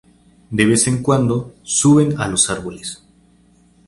De vez en cuando, suben a los árboles.